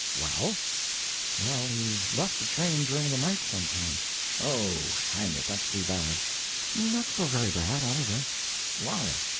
"Well?" "Well, he left the train during the night some time." "Oh, hang it, that's too bad." "Not so very bad, either." "Why?"